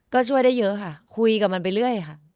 ก็ช่วยได้เยอะค่ะคุยกับมันไปเรื่อยค่ะ